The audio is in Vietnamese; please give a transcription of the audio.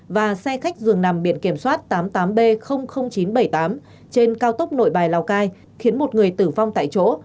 và xe khách dường nằm biển kiểm soát tám mươi tám b chín trăm bảy mươi tám trên cao tốc nội bài lào cai khiến một người tử vong tại chỗ